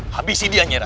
habisi dia nyerah